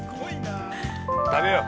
◆食べよう。